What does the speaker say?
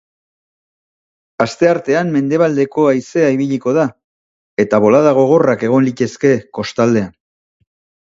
Asteartean, mendebaldeko haizea ibiliko da, eta bolada gogorrak egon litezke kostaldean.